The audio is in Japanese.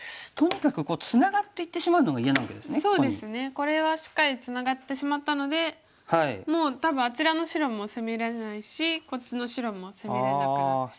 これはしっかりツナがってしまったのでもう多分あちらの白も攻めれないしこっちの白も攻めれなくなってしまいます。